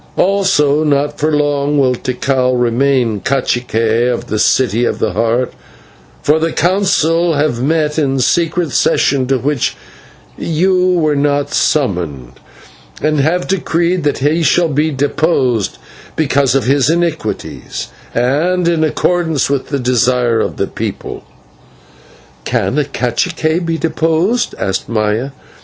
Also, not for long will Tikal remain /cacique/ of the City of the Heart; for the Council have met in a secret session to which you were not summoned, and have decreed that he shall be deposed because of his iniquities, and in accordance with the desire of the people." "Can a /cacique/ be deposed?" asked Maya.